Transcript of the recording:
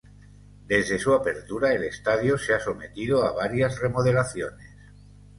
Desde su apertura, el estadio se ha sometido a varias remodelaciones.